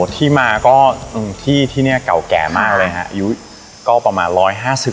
ที่มาก็ที่ที่เนี่ยเก่าแก่มากเลยค่ะอายุก็ประมาณ๑๕๐กว่าปีเลย